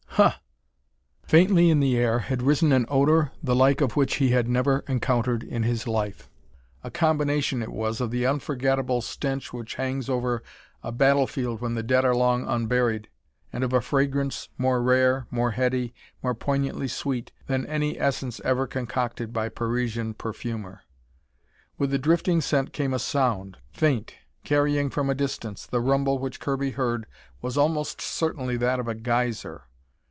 "Huh!" Faintly in the air had risen an odor the like of which he had never encountered in his life. A combination, it was, of the unforgetable stench which hangs over a battlefield when the dead are long unburied, and of a fragrance more rare, more heady, more poignantly sweet than any essence ever concocted by Parisian perfumer. With the drifting scent came a sound. Faint, carrying from a distance, the rumble which Kirby heard was almost certainly that of a geyser.